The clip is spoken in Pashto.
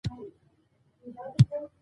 مننه زړګیه